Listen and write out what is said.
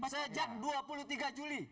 sejak dua puluh tiga juli